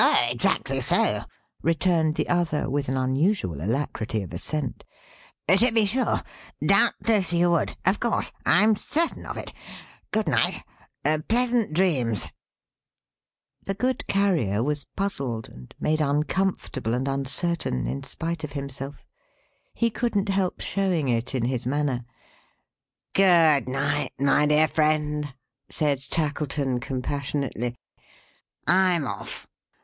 "Exactly so," returned the other with an unusual alacrity of assent. "To be sure! Doubtless you would. Of course. I'm certain of it. Good night. Pleasant dreams!" The good Carrier was puzzled, and made uncomfortable and uncertain, in spite of himself. He couldn't help showing it, in his manner. "Good night, my dear friend!" said Tackleton, compassionately. "I'm off.